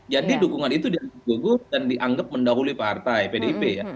jadi dukungan itu dianggap gugur dan dianggap mendahului partai pdip